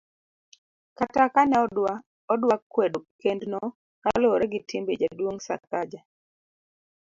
kata kane odwa kwedo kend no kaluwore gi timbe jaduong' Sakaja